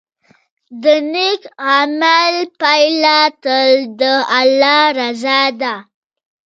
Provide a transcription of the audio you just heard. د نیک عمل پایله تل د الله رضا ده.